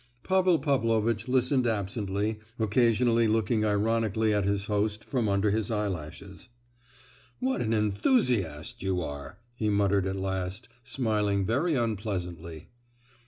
Pavel Pavlovitch listened absently, occasionally looking ironically at his host from under his eyelashes. "What an enthusiast you are!" he muttered at last, smiling very unpleasantly.